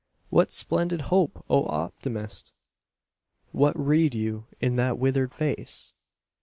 What splendid hope? O Optimist! What read you in that withered face?